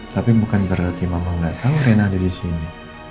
tapi bukan berarti mama gak tau rena ada disini